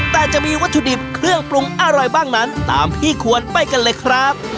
แต่จะมีวัตถุดิบเครื่องปรุงอะไรบ้างนั้นตามพี่ควรไปกันเลยครับ